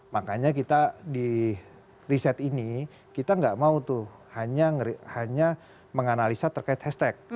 makanya kita di riset ini kita nggak mau tuh hanya menganalisa terkait hashtag